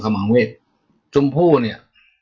ขลามัดเวทย์จุ่มภูนิ